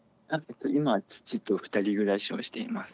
今父と２人暮らしをしています。